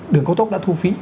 đường cao tốc đã thu phí